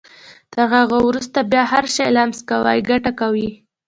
تر هغه وروسته چې بيا هر شی لمس کوئ ګټه کوي.